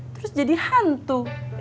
terus jadi hantu